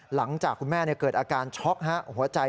หลังจากคุณแม่เกิดอาการช็อกหัวใจ